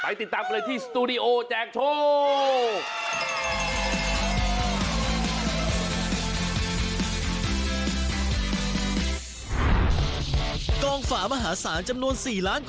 ได้เวลาแล้วไงที่จะต้องไปหาผู้โชคดีกัน